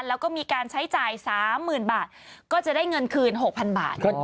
แล้วก็มีการใช้จ่าย๓๐๐๐บาทก็จะได้เงินคืน๖๐๐๐บาท